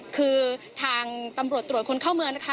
คือทางตำรวจตรวจคนเข้าเมืองนะคะ